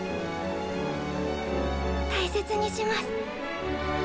大切にします。